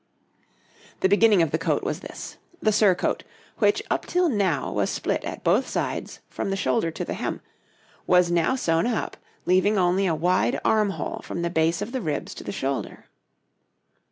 }] The beginning of the coat was this: the surcoat, which up till now was split at both sides from the shoulder to the hem, was now sewn up, leaving only a wide armhole from the base of the ribs to the shoulder.